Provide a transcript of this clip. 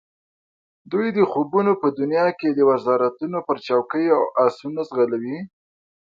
دوی د خوبونو په دنیا کې د وزارتونو پر چوکیو آسونه ځغلولي.